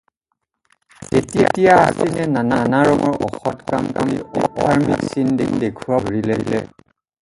যেতিয়া অগষ্টিনে নানা ৰকমৰ অসৎ কাম কৰি অধাৰ্ম্মিকৰ চিন দেখুৱাব ধৰিলে